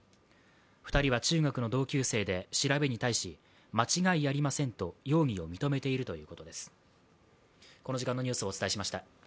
２人は中学の同級生で調べに対し間違いありませんと容疑を認めているということです。